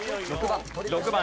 ６番。